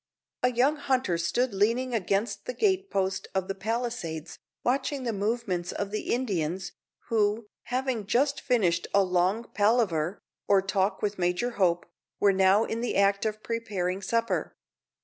A young hunter stood leaning against the gate post of the palisades, watching the movements of the Indians, who, having just finished a long "palaver" or talk with Major Hope, were now in the act of preparing supper.